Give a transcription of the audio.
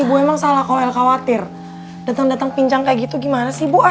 ibu emang salah kok el khawatir datang datang pinjang kayak gitu gimana sih ibu ah